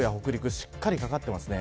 しっかり掛かってますね。